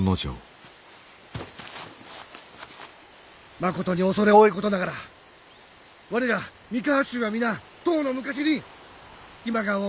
まことに畏れ多いことながら我ら三河衆は皆とうの昔に今川を見捨てておりまする！